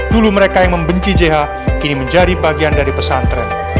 dulu mereka yang membenci jh kini menjadi bagian dari pesantren